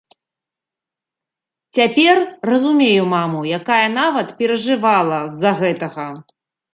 Цяпер разумею маму, якая нават перажывала з-за гэтага.